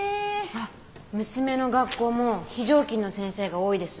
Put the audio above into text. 娘の学校も非常勤の先生が多いです。